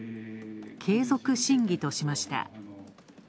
継続審議としました。